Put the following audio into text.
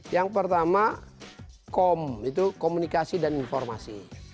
yang pertama kom itu komunikasi dan informasi